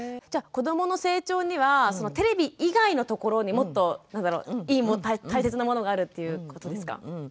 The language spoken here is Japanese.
じゃ子どもの成長にはテレビ以外のところにもっと大切なものがあるっていうことですか？